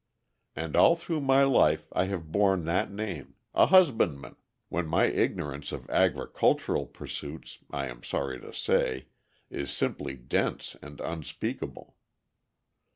And all through my life I have borne that name a husbandman when my ignorance of agricultural pursuits, I am sorry to say, is simply dense and unspeakable.